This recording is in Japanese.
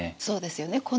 そうですよね。